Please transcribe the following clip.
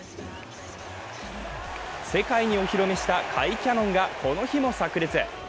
世界にお披露目した甲斐キャノンがこの日もさく裂。